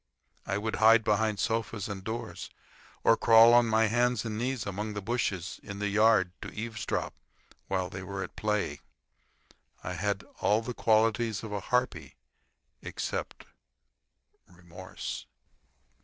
I would hide behind sofas and doors, or crawl on my hands and knees among the bushes in the yard to eavesdrop while they were at play. I had all the qualities of a harpy except remorse.